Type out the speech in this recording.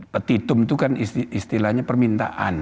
petitum itu kan istilahnya permintaan